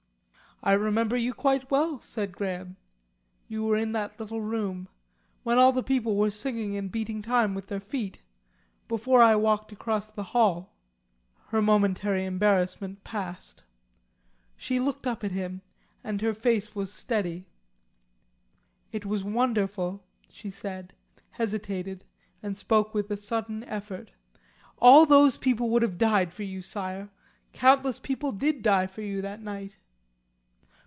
"I remember you quite well," said Graham. "You were in that little room. When all the people were singing and beating time with their feet. Before I walked across the Hall." Her momentary embarrassment passed. She looked up at him, and her face was steady. "It was wonderful," she said, hesitated, and spoke with a sudden effort. "All those people would have died for you, Sire. Countless people did die for you that night."